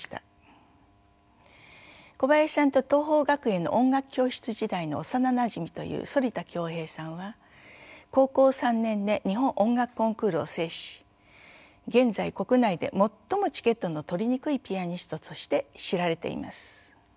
小林さんと桐朋学園の音楽教室時代の幼なじみという反田恭平さんは高校３年で日本音楽コンクールを制し現在国内で最もチケットの取りにくいピアニストとして知られています。